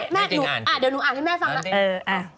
เดี๋ยวผมอ่านให้แม่ฟังล่ะ